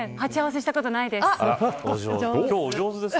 鉢合わせしたことないです。